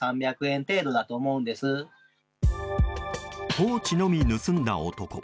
ポーチのみ盗んだ男。